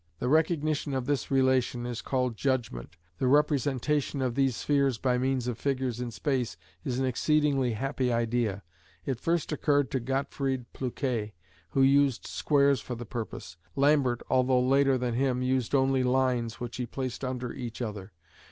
The recognition of this relation is called judgment. The representation of these spheres by means of figures in space, is an exceedingly happy idea. It first occurred to Gottfried Plouquet, who used squares for the purpose. Lambert, although later than him, used only lines, which he placed under each other.